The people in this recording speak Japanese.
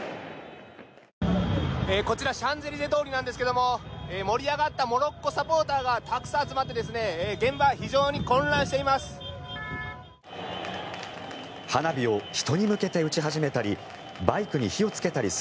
こちらシャンゼリゼ通りなんですが盛り上がったモロッコサポーターがたくさん集まって現場、非常に混乱しています。